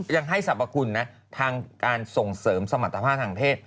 ยังให้สรรพคุณนะทางการส่งเสริมสมรรถภาพทางเพศ